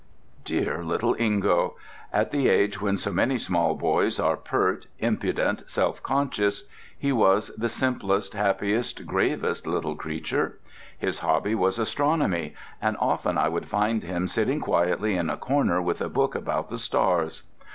Dear little Ingo! At the age when so many small boys are pert, impudent, self conscious, he was the simplest, happiest, gravest little creature. His hobby was astronomy, and often I would find him sitting quietly in a corner with a book about the stars.